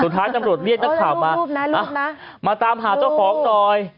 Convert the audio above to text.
สุดท้ายจำรวจเรียกนักข่าวมามาตามหาเจ้าของหน่อย